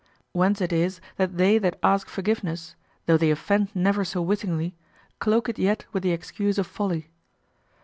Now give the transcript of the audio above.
Whence it is that they that ask forgiveness, though they offend never so wittingly, cloak it yet with the excuse of folly.